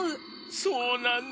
そうなんだ。